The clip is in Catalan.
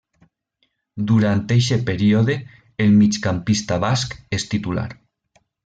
Durant eixe període, el migcampista basc és titular.